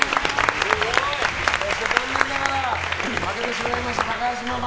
そして残念ながら負けてしまいました高橋ママ。